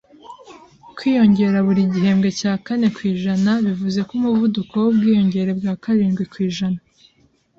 Kwiyongera buri gihembwe cya kane kwijana bivuze ko umuvuduko wubwiyongere bwa karindwi kwijana